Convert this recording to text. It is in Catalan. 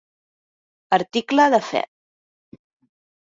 Article de fe.